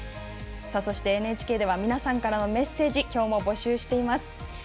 そしてＮＨＫでは皆さんからのメッセージ今日も募集しています。